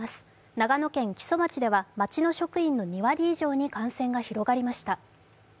長野県木曽町では町の職員の２割以上に感染が広がりました。